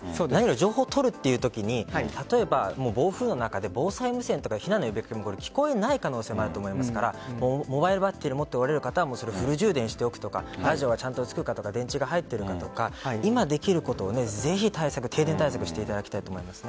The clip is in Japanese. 情報を取るときに例えば防災無線とか避難の呼び掛けも聞こえない可能性もあると思いますからモバイルバッテリーを持っておられる方はフル充電しておくとかラジオは電池が入ってるかとか今できることをぜひ停電対策していただきたいと思います。